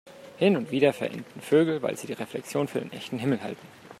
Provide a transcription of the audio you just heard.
Hin und wieder verenden Vögel, weil sie die Reflexion für den echten Himmel halten.